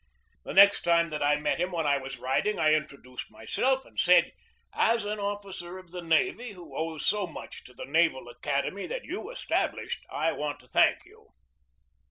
The next time that I met him when I was riding I introduced myself and said : "As an officer of the navy, who owes so much to the Naval Academy that you established, I want to thank you."